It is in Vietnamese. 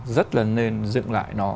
rất là nên dựng lại nó